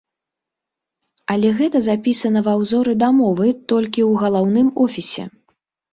Але гэта запісана ва ўзоры дамовы толькі ў галаўным офісе.